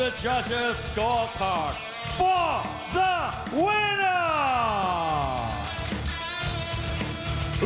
เราจะไปกับรักษาตัวจักร